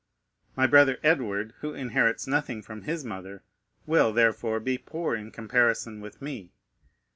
My brother Edward, who inherits nothing from his mother, will, therefore, be poor in comparison with me.